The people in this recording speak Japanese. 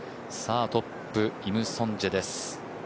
トップ、イム・ソンジェです。